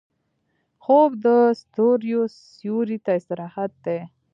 خوب د ستوريو سیوري ته استراحت دی